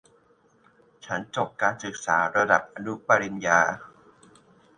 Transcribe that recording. ฉันจบการศึกษาระดับอนุปริญญา